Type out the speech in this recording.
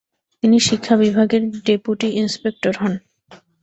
তিনি শিক্ষা বিভাগের ডেপুটি ইন্সপেক্টর হন ।